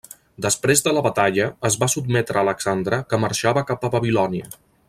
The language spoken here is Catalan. Després de la batalla es va sotmetre a Alexandre que marxava cap a Babilònia.